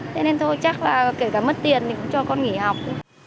thế nên thôi chắc là kể cả mất tiền thì cũng cho con nghỉ học